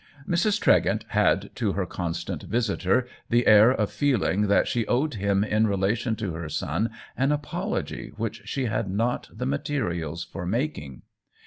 Mrs. Tre gent had to her constant visitor the air of feeling that she owed him in relation to her son an apology which she had not the ma terials for making.